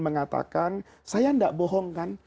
mengatakan saya tidak bohongkan